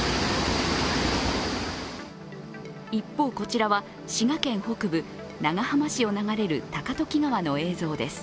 一方、こちらは滋賀県北部、長浜市を流れる高時川の映像です。